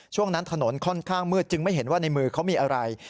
ช่วงนั้นถนนค่อนข้างมืดจึงไม่เห็นว่าในมือเขามีอะไร